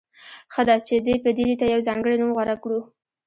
ښه ده چې دې پدیدې ته یو ځانګړی نوم غوره کړو.